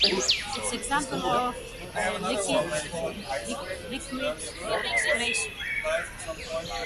It is an example of liquid-liquid extraction.